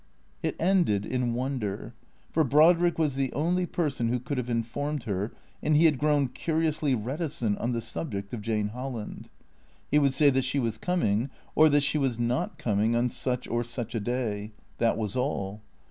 It ended in wonder; for Brodrick was the only person who could have informed her, and he had grown curiously reticent on the subject of Jane Holland. He would say that she was coming, or that she was not coming, on such or such a day. That was all.